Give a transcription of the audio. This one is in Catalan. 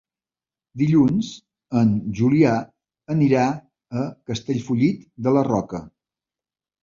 Dilluns en Julià anirà a Castellfollit de la Roca.